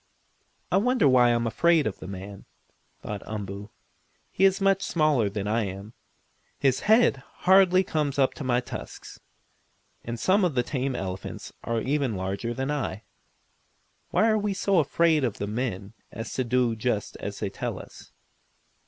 "I wonder why I am afraid of the man?" thought Umboo. "He is much smaller than I am. His head hardly comes up to my tusks, and some of the tame elephants are even larger than I. Why are we so afraid of the men as to do just as they tell us?"